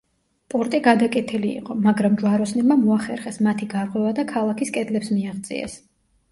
პორტი გადაკეტილი იყო მაგრამ ჯვაროსნებმა მოახერხეს მათი გარღვევა და ქალაქის კედლებს მიაღწიეს.